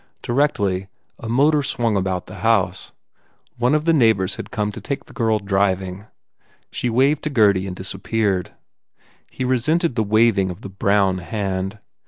Directly, a motor swung about the house. One of the neighbours had come to take the girl driving. She waved to Gurdy and disappeared. He resented the waving of the brown hand.